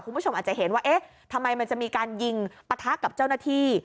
คุณผู้ชมอาจจะเห็นว่าเอ๊ะทำไมมันจะมีการยิงปะทะกับเจ้าหน้าที่